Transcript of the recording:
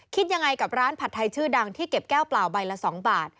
คิดยังไงกับร้านผัดไทยชื่อดังที่เก็บแก้วเปล่าใบละ๒บาท